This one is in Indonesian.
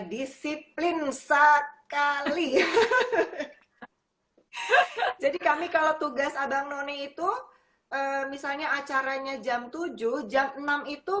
disiplin sekali jadi kami kalau tugas abang none itu misalnya acaranya jam tujuh jam enam itu